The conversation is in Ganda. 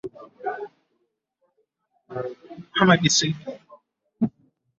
Katemba yeeyongedde munnakibiina kya ‘Forum for Democratic Change’ akiikirira Kiboga okusemba Muhammad Sseggirinya